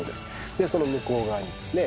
でその向こう側にですね